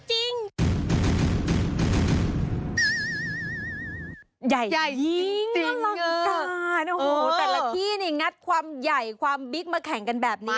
ใหญ่ยิ่งอลังการโอ้โหแต่ละที่นี่งัดความใหญ่ความบิ๊กมาแข่งกันแบบนี้